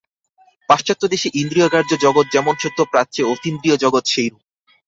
পাশ্চাত্য দেশে ইন্দ্রীয়গ্রাহ্য জগৎ যেমন সত্য, প্রাচ্যে অতীন্দ্রিয় জগৎ সেইরূপ।